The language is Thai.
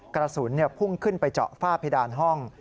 กระสุนพุ่งขึ้นไปเจาะฝ้าเพดานห้อง